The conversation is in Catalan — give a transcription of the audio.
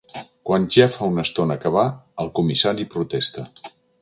Quan ja fa una estona que va, el comissari protesta.